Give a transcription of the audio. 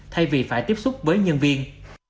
thay vì phải tiếp xúc với nhân viên